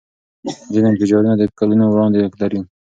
ځینې انفجارونه د کلونو وړاندوینه لري.